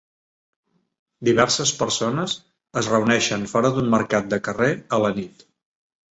Diverses persones es reuneixen fora d'un mercat de carrer a la nit.